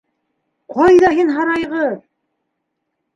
Ҡайҙа һин, һарайғыр?!